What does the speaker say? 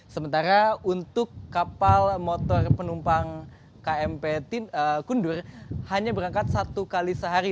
sementara untuk kapal motor penumpang kmp kundur hanya berangkat satu kali sehari